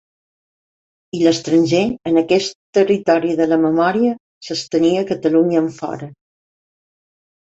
I l'estranger, en aquest territori de la memòria, s'estenia Catalunya enfora.